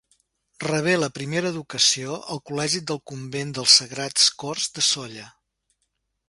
Rebé la primera educació al col·legi del Convent dels Sagrats Cors de Sóller.